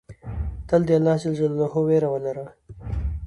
تل د الله ج څخه ویره ولره.